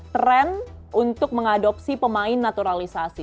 trend untuk mengadopsi pemain naturalisasi